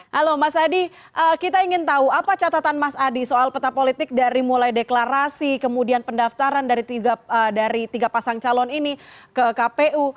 halo mas adi kita ingin tahu apa catatan mas adi soal peta politik dari mulai deklarasi kemudian pendaftaran dari tiga pasang calon ini ke kpu